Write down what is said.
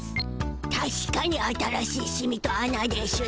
たしかに新しいシミとあなでしゅな。